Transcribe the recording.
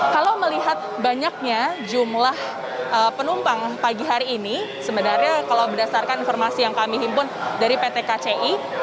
kalau melihat banyaknya jumlah penumpang pagi hari ini sebenarnya kalau berdasarkan informasi yang kami himpun dari pt kci